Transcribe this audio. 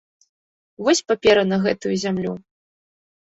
Вось папера на гэтую зямлю.